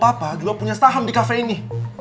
kalau papa juga punya saham di cafe ini